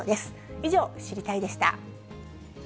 以上、知りたいッ！でした。